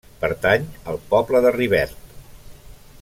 Pertany al poble de Rivert.